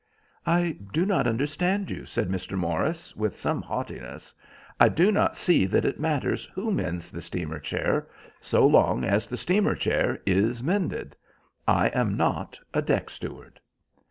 "I do not understand you," said Mr. Morris, with some haughtiness. "I do not see that it matters who mends the steamer chair so long as the steamer chair is mended. I am not a deck steward."